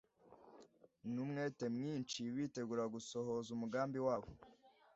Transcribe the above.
N'umwete mwinshi bitegura gusohoza umugambi wabo,